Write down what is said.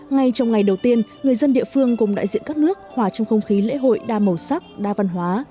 ngay trong ngày đầu tiên người dân địa phương cùng đại diện các nước hòa trong không khí lễ hội đa màu sắc đa văn hóa